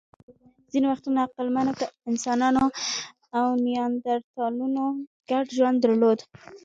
ځینې وختونه عقلمنو انسانانو او نیاندرتالانو ګډ ژوند درلود.